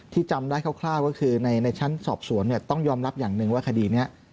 จำได้คร่าวก็คือในชั้นสอบสวนเนี่ยต้องยอมรับอย่างหนึ่งว่าคดีนี้